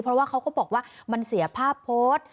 เพราะว่าเขาก็บอกว่ามันเสียภาพโพสต์